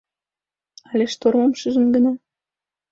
Але штормым шижын гына?